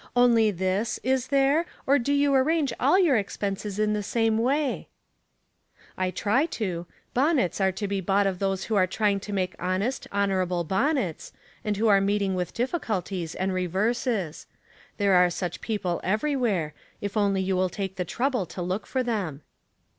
Only this — is there — or do you ar range all your expenses in the same way ?"" I try to. Bonnets are to be bought of those who are trying to make honest, honor able bonnets, and wlio are meeting with diffi culties and reverses. There are such people everywhere, if only you will take the trouble to look for them."